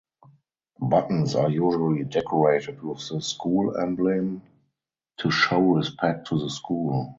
Buttons are usually decorated with the school emblem to show respect to the school.